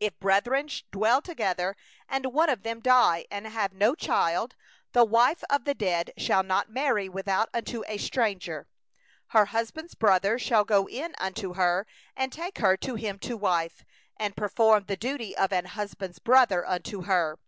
5If brethren dwell together, and one of them die, and have no child, the wife of the dead shall not be married abroad unto one not of his kin; her husband's brother shall go in unto her, and take her to him to wife, and perform the duty of a husband's brother unto her.